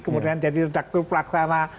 kemudian jadi redaktor pelaksana